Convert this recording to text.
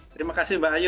terima kasih mbak ayu